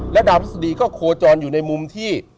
ดาวพฤษฎีก็โคจรอยู่ในมุมที่